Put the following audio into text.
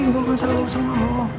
gue akan selalu selalu